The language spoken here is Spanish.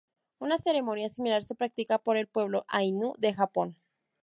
Una ceremonia similar se practica por el pueblo Ainu de Japón.